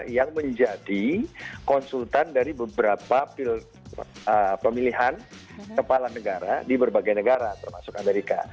yang menjadi konsultan dari beberapa pemilihan kepala negara di berbagai negara termasuk amerika